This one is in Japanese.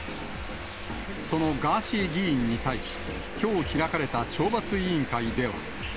そのガーシー議員に対し、きょう開かれた懲罰委員会では。